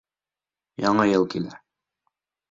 Яңы йыл килә...